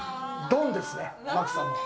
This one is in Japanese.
ドンですね、まさに。